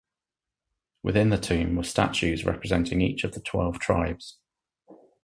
Within the Tomb were statues representing each of the Twelve Tribes.